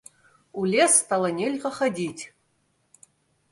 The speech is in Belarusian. У лес стала нельга хадзіць.